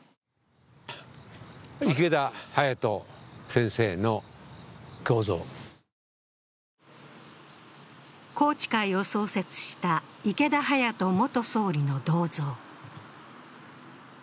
池田勇人先生の銅像。宏池会を創設した池田勇人元総理の銅像。